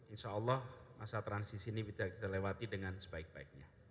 insya allah masa transisi ini bisa kita lewati dengan sebaik baiknya